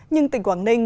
nhưng tỉnh quảng ninh